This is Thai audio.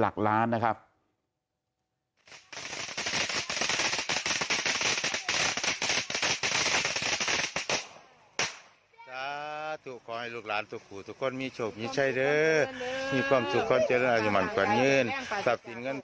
หลักล้านนะครับเสียไปหลักล้านนะครับ